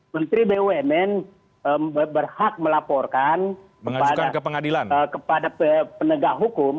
menteri bumn berhak melaporkan kepada penegak hukum